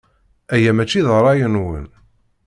Aya maci d ṛṛay-nwen.